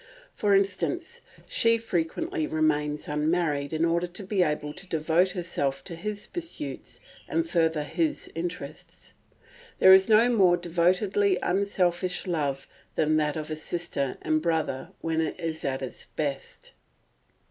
For instance, she frequently remains unmarried in order to be able to devote herself to his pursuits and further his interests. There is no more devotedly unselfish love than that of a sister and brother when it is at its best.